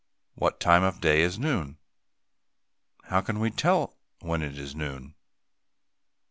What time of day is noon? How can we tell when it is noon?